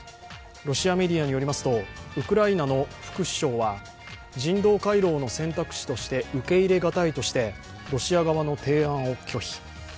ロシアメディアによりますと、ウクライナの副首相は人道回廊の選択肢として受け入れがたいとしてロシア側の提案を拒否。